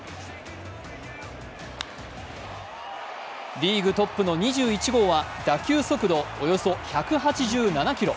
リーグトップの２１号は打球速度およそ１８６キロ。